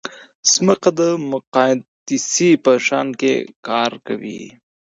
ځمکه د مقناطیس په شان کار کوي.